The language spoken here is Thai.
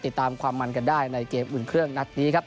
ติดตามความมันกันได้ในเกมอุ่นเครื่องนัดนี้ครับ